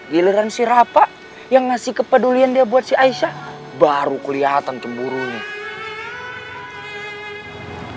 giliran si rafa yang ngasih kepedulian dia buat si aisyah baru keliatan cemburu nih